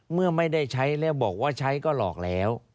เมื่อไม่ได้ใช้แล้วบอกว่าใช้ก็หลอกแล้ว